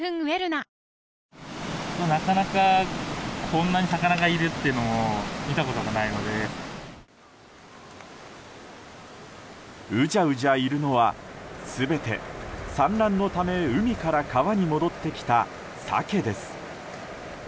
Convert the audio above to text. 「お椀で食べるシリーズ」うじゃうじゃいるのは全て産卵のため海から川に戻ってきたサケです。